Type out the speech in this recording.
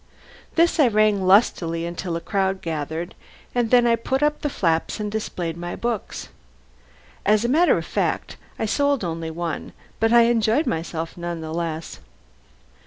This I rang lustily until a crowd gathered, then I put up the flaps and displayed my books. As a matter of fact, I sold only one, but I enjoyed myself none the less.